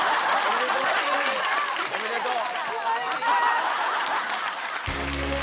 おめでとう。